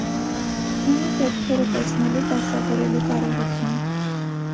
Ունի դէպքերը տեսնելու, դասաւորելու կարողութիւն։